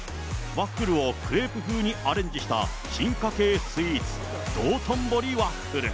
ワッフルをクレープ風にアレンジした進化系スイーツ、道頓堀ワッフル。